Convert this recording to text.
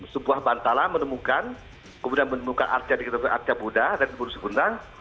sebuah bantala menemukan kemudian menemukan arca di kota bukit arca buda dari bukit guntang